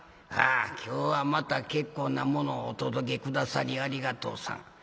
ああ今日はまた結構なものをお届け下さりありがとうさん。